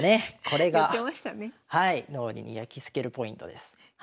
これがはい脳裏にやきつけるポイントです。